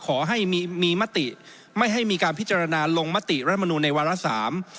ขอให้มีมีมติไม่ให้มีการพิจารณาลงมติรัฐมนูลในวาระสาม